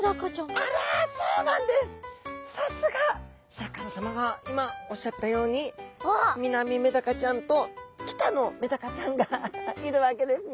シャーク香音さまが今おっしゃったようにミナミメダカちゃんとキタノメダカちゃんがいるわけですね。